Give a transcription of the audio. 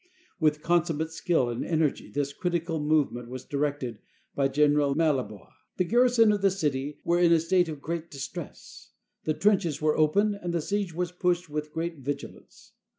With consummate skill and energy this critical movement was directed by General Mallebois. The garrison of the city were in a state of great distress. The trenches were open and the siege was pushed with great vigilance.